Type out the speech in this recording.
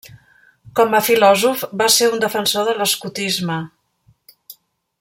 Com a filòsof va ser un defensor de l'Escotisme.